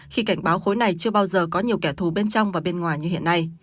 khi cảnh báo khối này chưa bao giờ có nhiều kẻ thù bên trong và bên ngoài như hiện nay